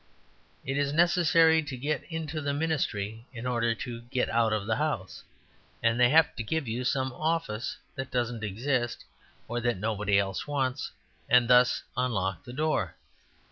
It is necessary to get into the Ministry in order to get out of the House; and they have to give you some office that doesn't exist or that nobody else wants and thus unlock the door.